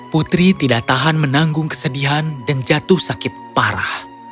putri tidak tahan menanggung kesedihan dan jatuh sakit parah